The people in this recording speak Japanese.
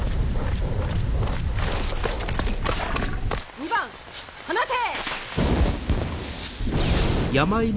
２番放て！